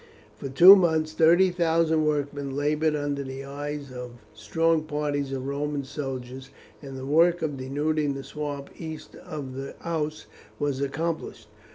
For two months thirty thousand workmen laboured under the eyes of strong parties of Roman soldiers, and the work of denuding the swamps east of the Ouse was accomplished.